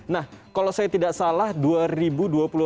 nah kalau saya tidak salah dua ribu dua puluh